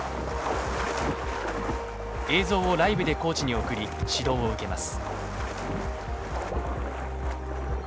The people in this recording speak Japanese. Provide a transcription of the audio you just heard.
映像をライブでコーチに送り指導を受けます